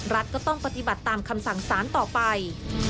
รัฐก็ต้องปฏิบัติตามคำสั่งสารต่อไป